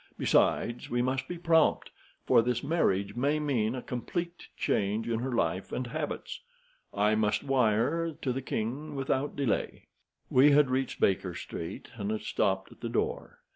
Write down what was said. Besides, we must be prompt, for this marriage may mean a complete change in her life and habits. I must wire to the king without delay." We had reached Baker Street, and had stopped at the door.